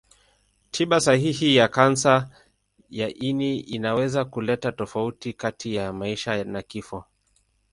Tiba sahihi ya kansa ya ini inaweza kuleta tofauti kati ya maisha na kifo.